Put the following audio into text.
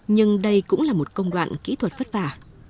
nhưng đây cũng là một công đoạn kỹ thuật vất vả